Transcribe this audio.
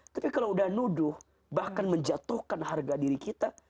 tapi kalau udah nuduh bahkan menjatuhkan harga diri kita